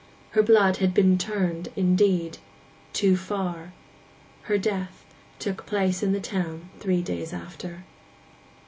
Her blood had been 'turned' indeed—too far. Her death took place in the town three days after.